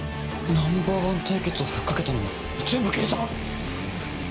ナンバーワン対決をふっかけたのも全部計算？